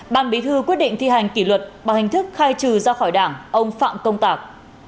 ban bí thư quyết định thi hành kỷ luật bằng hình thức khai trừ ra khỏi đảng ông phạm công tạc